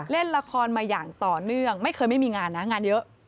เล่นละครมาอย่างต่อเนื่องไม่เคยไม่มีงานนะงานเยอะ